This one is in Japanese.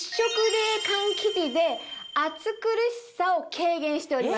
で暑苦しさを軽減しております。